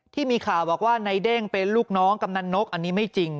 ที่มีข่าวบอกว่านายเด้งเป็นลูกน้องกำนันนกอันนี้ไม่จริง